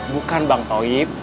bukan bang toib